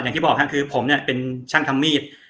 อย่างที่บอกคือผมเป็นช่างทำมีด